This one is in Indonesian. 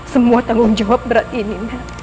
semua tanggung jawab berat ini